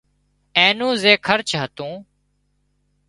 اين نو زي خرچ هتو